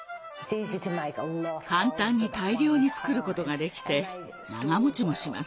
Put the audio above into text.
簡単に大量に作ることができて長持ちもします。